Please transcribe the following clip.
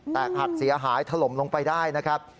หักเสียหายถล่มลงไปได้นะครับ